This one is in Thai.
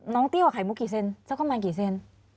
น้องเตี้ยวะไขมุกกี่เซนซ้ำข้างบนกี่เซน